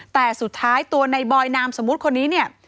แต่สุดท้ายตัวในบรอยนามสมมติคนนี้